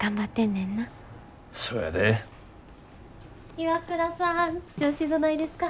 岩倉さん調子どないですか？